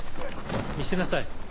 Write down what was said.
見せなさい。